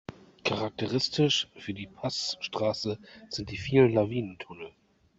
Charakteristisch für die Passstraße sind die vielen Lawinentunnel.